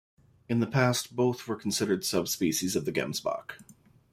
In the past, both were considered subspecies of the gemsbok.